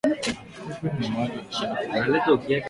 kiongozi mkuu wa upinzani wa chama cha